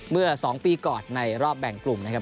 เมื่อ๒ปีก่อนในรอบแบ่งกลุ่มนะครับ